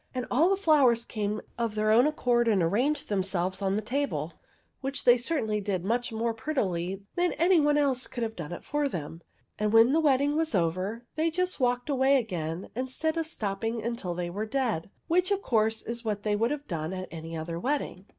And all the flowers came of their own accord and arranged themselves on the table, which they certainly did much more prettily than anybody else could have done it for them ; and when the wedding was over they just walked away again instead of stopping until they were dead, which of course is what they would have done at any other wedding.